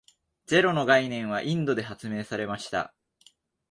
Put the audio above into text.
ゼロの概念はインドで発明されました。